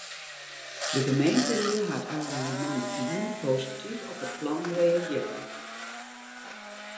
De gemeenteried hat ôfrûne moandeitejûn posityf op it plan reagearre.